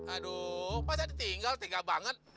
aduh pak tadi tinggal tega banget